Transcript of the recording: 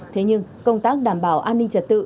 thế nhưng công tác đảm bảo an ninh trật tự